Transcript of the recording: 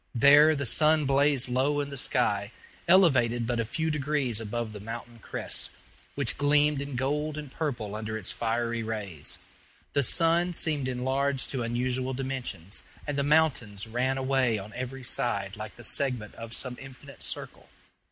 There the sun blazed low in the sky, elevated but a few degrees above the mountain crests, which gleamed in gold and purple under its fiery rays. The sun seemed enlarged to unusual dimensions, and the mountains ran away on every side like the segment of some infinite circle.